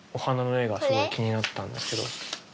すごい気になったんですけど。